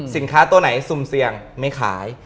สินค้าตัวไหนซุมเสี่ยงไม่ขาย